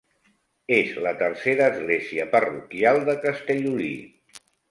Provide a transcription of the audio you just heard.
És la tercera església parroquial de Castellolí.